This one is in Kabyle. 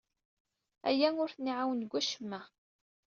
Aya ur ten-iɛawen deg wacemma.